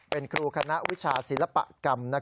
เป็นครูคณะวิชาศิลปกรรม